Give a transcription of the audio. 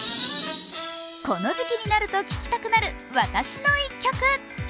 この時期になると聴きたくなる「わたしの一曲」。